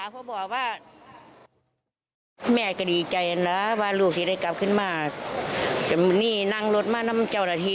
พุทธศรีใดกลับมาแล้วเด้อ